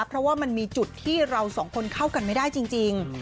เพราะว่ามันมีจุดที่เราสองคนเข้ากันไม่ได้จริง